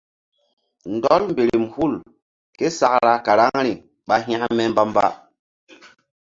Ndɔl mberem hul ké sakra karaŋri ɓa hȩkme mbamba.